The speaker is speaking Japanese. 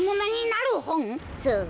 そう。